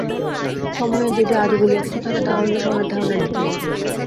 সময়ের যদি আদি বলিয়া কিছু থাকে, তাহা হইলে সময়ের ধারণাই নষ্ট হইয়া যায়।